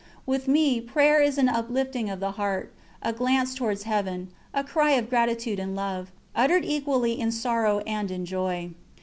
With me prayer is an uplifting of the heart; a glance towards heaven; a cry of gratitude and love, uttered equally in sorrow and in joy.